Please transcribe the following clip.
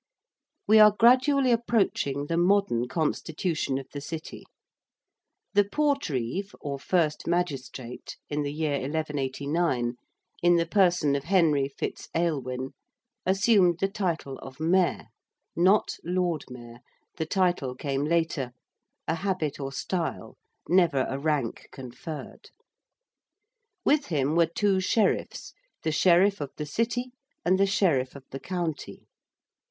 We are gradually approaching the modern constitution of the City. The Portreeve or first Magistrate, in the year 1189, in the person of Henry Fitz Aylwin, assumed the title of Mayor not Lord Mayor: the title came later, a habit or style, never a rank conferred. With him were two Sheriffs, the Sheriff of the City and the Sheriff of the County.